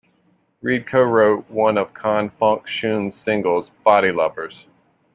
Reid co-wrote one of Con Funk Shun's singles, "Body Lovers".